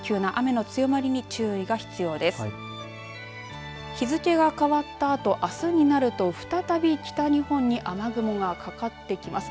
日付が変わったあとあすになると再び北日本に雨雲がかかってきます。